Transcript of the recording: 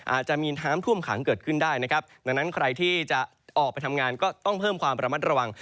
อาจจะมีน้ำท่วมขังเกิดขึ้นได้นะครับดังนั้นใครที่จะออกไปทำงานก็ต้องเพิ่มความระมัดระวัง